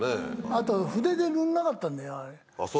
あと筆で塗んなかったんだよ。